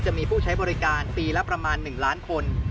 จะมีผู้ใช้บริการปีละประมาณ๑ล้านคน